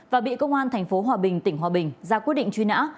và bị công an thành phố hòa bình tỉnh hòa bình ra quyết định truy nã